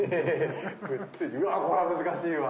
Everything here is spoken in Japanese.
うわっこれは難しいわ。